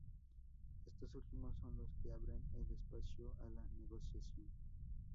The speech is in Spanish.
Estos últimos son los que abren el espacio a la negociación.